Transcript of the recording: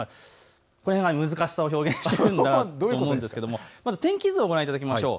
これが難しさを表現しているんですが、まず天気図をご覧いただきましょう。